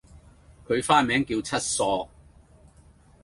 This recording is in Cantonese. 佢花名叫七索